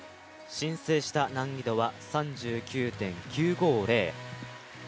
申請した難易度は３９．９５０。